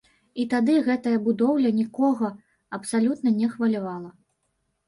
І тады гэтая будоўля нікога абсалютна не хвалявала.